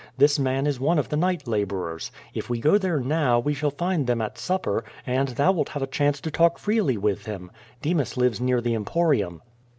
This man is one of the night laborers. If we go there now, we shall find them at supper, and thou wilt have a chance to talk freely with him. Demas lives near the Emporium."